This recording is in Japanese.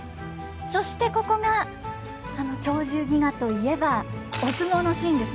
そしてここが「鳥獣戯画」といえばお相撲のシーンですね。